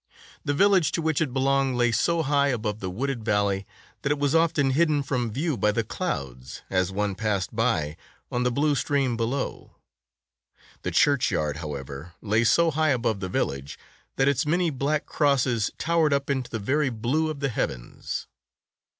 The village to which it belonged lay so high above the wooded valley, that it was often hidden from view by the clouds, as one passed by, on the blue stream below. The churchyard, however, lay so high above the village, that its many black crosses towered up into the very blue of the heavens.